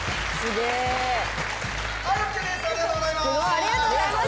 ありがとうございます。